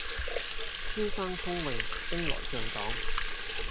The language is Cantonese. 天生聰穎兵來將擋